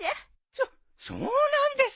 そっそうなんですか。